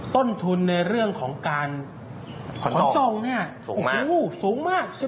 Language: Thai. ต้นทุนในเรื่องของการขนส่งเนี่ยสูงมาก